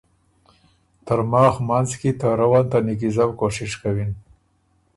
ترماخ منځ کی ته روّن ته نیکیزؤ کوشش کوِن